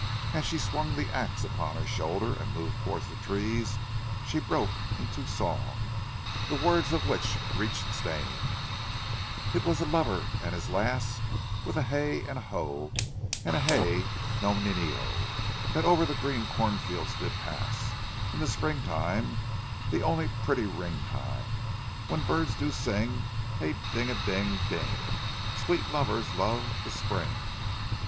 As she swung the ax upon her shoulder and moved towards the trees she broke into song, the words of which reached Stane: "It was a lover and his lass With a hey, and a ho, and a hey nonino, That o'er the green cornfield did pass In the spring time, the only pretty ring time, When birds do sing, hey ding a ding, ding, Sweet lovers love the Spring."